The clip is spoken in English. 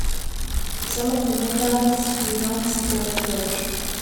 Some of the members renounced the approach.